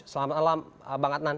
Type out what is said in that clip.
selamat malam bang adnan